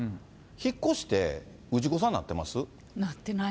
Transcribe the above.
引っ越して、氏子さんなってます？